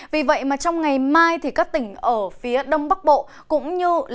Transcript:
vì vậy trong ngày mai các tỉnh ở phía đông bắc bộ cũng như